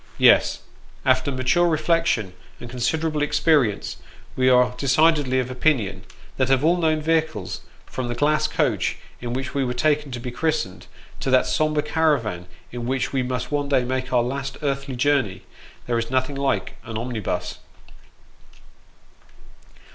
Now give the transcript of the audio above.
Yes, after mature reflection, and considerable experience, we are decidedly of opinion, that of all known vehicles, from the glass coach in which we were taken to be christened, to that sombre caravan in which we must one day make our last earthly journey, there is nothing like an omnibus.